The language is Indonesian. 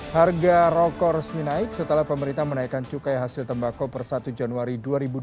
harga rokok resmi naik setelah pemerintah menaikkan cukai hasil tembako per satu januari dua ribu dua puluh